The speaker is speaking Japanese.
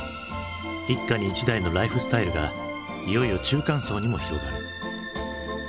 一家に一台のライフスタイルがいよいよ中間層にも広がる。